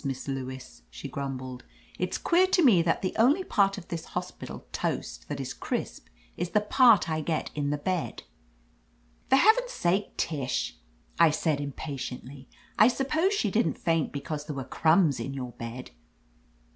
Miss Lewis," she grumbled. "It's queer to me that the only part of this hospital toast that is crisp is the part I get in the bed !" Tor heaven's sake, Tish," I said impa 20 4<i . OF LETITIA CARBERRY tiently, "I suppose she didn't faint because there were crumbs in your bed